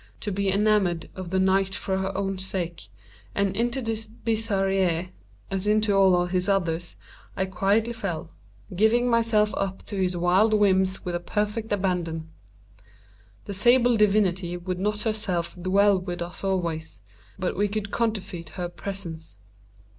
to be enamored of the night for her own sake; and into this bizarrerie, as into all his others, I quietly fell; giving myself up to his wild whims with a perfect abandon. The sable divinity would not herself dwell with us always; but we could counterfeit her presence.